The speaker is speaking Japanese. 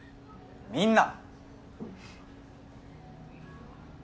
みんな！